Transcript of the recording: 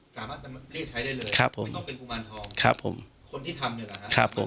สามารถเลือกใช้ได้เลยไม่ต้องเป็นภูมิมารทอง